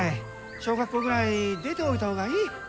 小学校ぐらい出ておいた方がいい。